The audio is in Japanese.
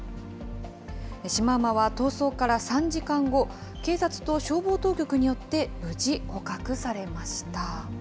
シマウマは逃走から３時間後、警察と消防当局によって無事捕獲されました。